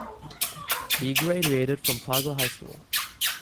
He graduated from Fargo High School.